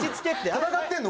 戦ってんの？